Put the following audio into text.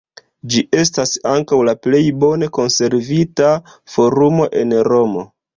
Ĝi estas ankaŭ la plej bone konservita forumo en Romo.